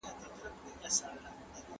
چي سزا یې په قسمت وه رسېدلې